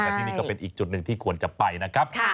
แต่ที่นี่ก็เป็นอีกจุดหนึ่งที่ควรจะไปนะครับ